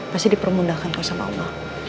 pasti dipermudahkan sama allah